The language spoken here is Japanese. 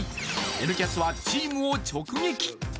「Ｎキャス」はチームを直撃。